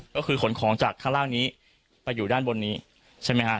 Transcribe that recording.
ก็คือขนของจากข้างล่างนี้ไปอยู่ด้านบนนี้ใช่ไหมฮะ